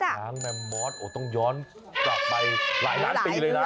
งแมมมอสต้องย้อนกลับไปหลายล้านปีเลยนะ